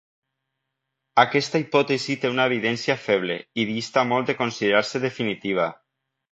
Aquesta hipòtesi té una evidència feble, i dista molt de considerar-se definitiva.